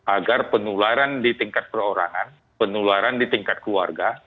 agar penularan di tingkat perorangan penularan di tingkat keluarga